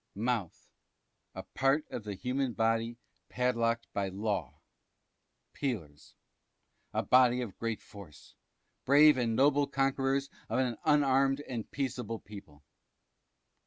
Mouth. A part of the human body padlocked by law. Peelers. A body of great Force. Brave and noble conquerors of an un armed and peaceable people.